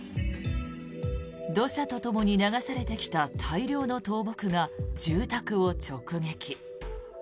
土砂とともに流されてきた大量の倒木が住宅を直撃。